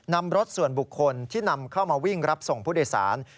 นำรถส่วนบุคคลที่นำเข้ามาวิ่งรับส่งผู้โดยสาร